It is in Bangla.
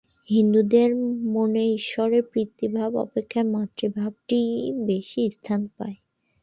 হিন্দুদের মনে ঈশ্বরের পিতৃভাব অপেক্ষা মাতৃভাবটিই বেশী স্থান পায়।